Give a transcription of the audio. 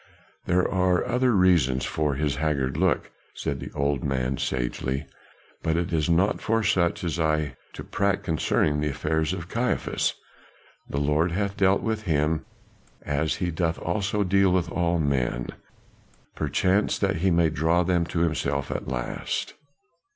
"There are other reasons for his haggard look," said the old man sagely; "but it is not for such as I to prate concerning the affairs of Caiaphas. The Lord hath dealt with him, as he doth also deal with all men; perchance that he may draw them to himself at the last."